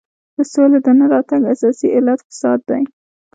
د سولې د نه راتګ اساسي علت فساد دی.